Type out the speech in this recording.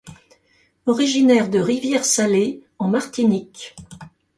Originaire de Rivière-Salée en Martinique.